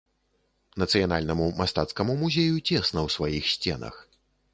Нацыянальнаму мастацкаму музею цесна ў сваіх сценах.